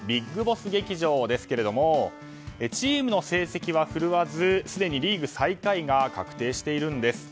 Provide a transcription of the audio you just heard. ＢＩＧＢＯＳＳ劇場ですけれどもチームの成績は振るわずすでにリーグ最下位が確定しているんです。